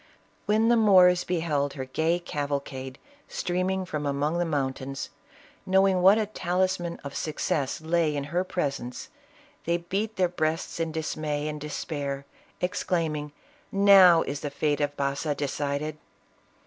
When ..the Moors beheld her gay cavalcade streaming from among the mountains, knowing what a talisman of success lay in her presence, they beat their breasts in dismay and despair, exclaiming " Now is the fate of Baza decided